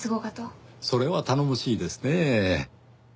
それは頼もしいですねぇ。